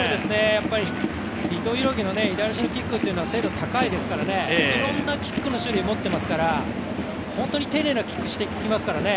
やっぱり伊藤洋輝の左足のキックは精度が高いですからね、いろんなキックの種類を持っていますから、本当に丁寧なキックをしてきますからね。